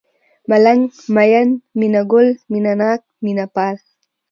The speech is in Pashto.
ملنگ ، مين ، مينه گل ، مينه ناک ، مينه پال